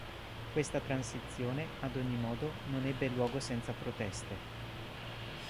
Questa transizione, ad ogni modo, non ebbe luogo senza proteste.